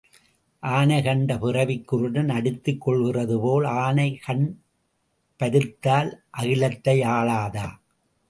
ஆனை கண்ட பிறவிக் குருடன் அடித்துக் கொள்கிறது போல, ஆனை கண் பருத்தால் அகிலத்தை ஆளாதா?